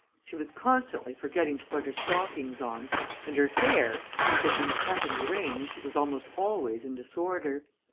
She was constantly forgetting to put her stockings on, and her hair, which had been cut and arranged, was almost always in disorder.